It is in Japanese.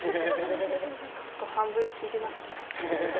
ちょっと半分聞いてなかった。